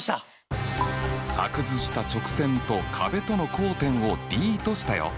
作図した直線と壁との交点をＤとしたよ！